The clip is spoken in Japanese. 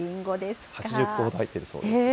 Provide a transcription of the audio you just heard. ８０個ほど入っているそうです。